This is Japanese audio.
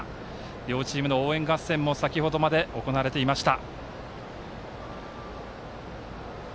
両チームの応援合戦も先ほどまで行われていました。